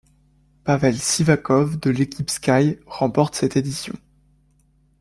Pavel Sivakov de l'équipe Sky remporte cette édition.